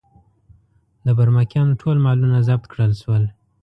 د برمکیانو ټول مالونه ضبط کړل شول.